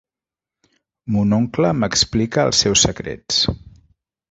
Mon oncle m'explica els seus secrets.